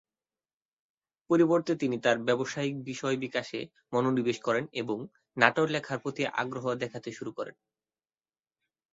পরিবর্তে তিনি তার ব্যবসায়িক বিষয় বিকাশে মনোনিবেশ করেন এবং নাটক লেখার প্রতি আগ্রহ দেখাতে শুরু করেন।